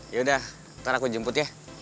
yaudah ntar aku jemput ya